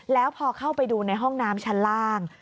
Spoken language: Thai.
แล้วพอเข้าไปดูในห้องน้ำชั้นล่าง